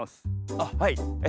あっはいえ